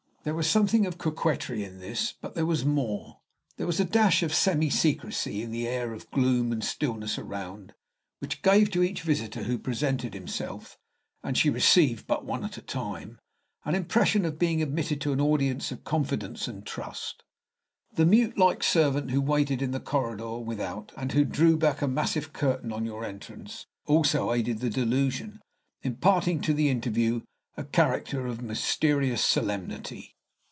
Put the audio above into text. There was something of coquetry in this; but there was more, there was a dash of semi secrecy in the air of gloom and stillness around, which gave to each visitor who presented himself, and she received but one at a time, an impression of being admitted to an audience of confidence and trust. The mute like servant who waited in the corridor without, and who drew back a massive curtain on your entrance, also aided the delusion, imparting to the interview a character of mysterious solemnity.